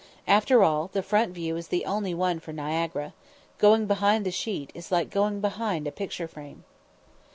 After all, the front view is the only one for Niagara going behind the sheet is like going behind a picture frame.